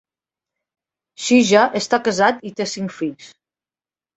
Shija està casat i té cinc fills.